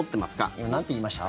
今、なんて言いました？